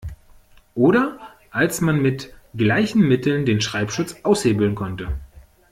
Oder als man mit gleichen Mitteln den Schreibschutz aushebeln konnte.